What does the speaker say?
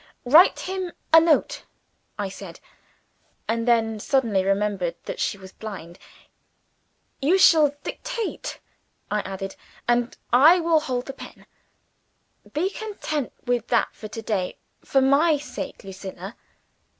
"Write him a note," I said and then suddenly remembered that she was blind. "You shall dictate," I added; "and I will hold the pen. Be content with that for to day. For my sake, Lucilla!"